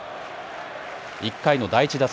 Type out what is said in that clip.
１回の第１打席。